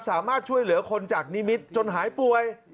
สามารถช่วยเหลือคนจากนิมิตรจนหายป่วย